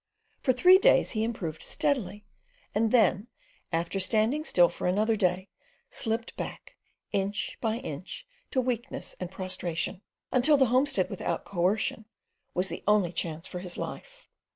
For three days he improved steadily, and then, after standing still for another day slipped back inch by inch to weakness and prostration, until the homestead, without coercion, was the only chance for his life.